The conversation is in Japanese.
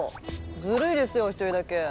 ずるいですよ一人だけ。